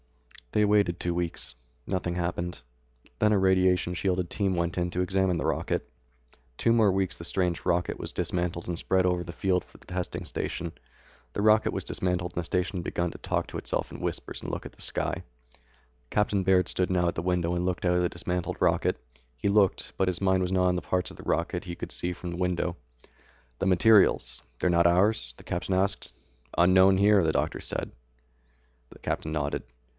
They waited two weeks. Nothing happened. Then a radiation shielded team went in to examine the rocket. Two more weeks and the strange rocket was dismantled and spread over the field of the testing station. The rocket was dismantled and the station had begun to talk to itself in whispers and look at the sky. Captain Baird stood now at the window and looked out at the dismantled rocket. He looked but his mind was not on the parts of the rocket he could see from the window. "The materials, they're not ours?" the captain asked. "Unknown here," the doctor said. The captain nodded.